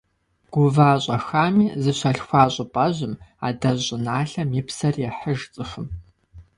Гува-щӏэхами, зыщалъхуа щӏыпӏэжьым, адэжь щӏыналъэм и псэр ехьыж цӏыхум.